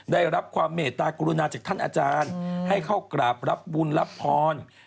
ได้รับความเมตตากรุณาจากท่านอาจารย์ให้เข้ากราบรับบุญรับพร